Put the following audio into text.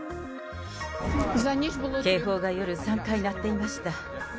警報が夜３回鳴っていました。